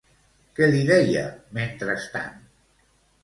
Què li deia, mentrestant?